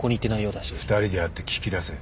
２人で会って聞き出せ。